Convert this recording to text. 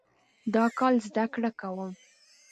دا کال زده کړه کوم